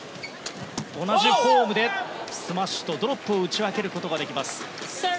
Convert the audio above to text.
同じフォームでスマッシュとドロップを打ち分けることができます。